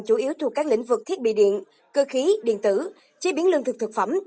chủ yếu thuộc các lĩnh vực thiết bị điện cơ khí điện tử chế biến lương thực thực phẩm